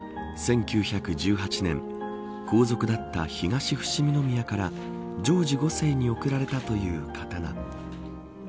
女王が見せてくれたのは１９１８年皇族だった東伏見宮からジョージ５世に贈られたという刀。